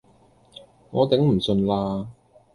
我頂唔順啦